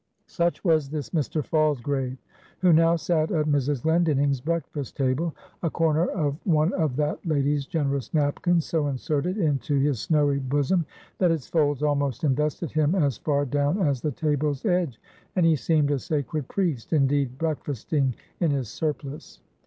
Such was this Mr. Falsgrave, who now sat at Mrs. Glendinning's breakfast table, a corner of one of that lady's generous napkins so inserted into his snowy bosom, that its folds almost invested him as far down as the table's edge; and he seemed a sacred priest, indeed, breakfasting in his surplice.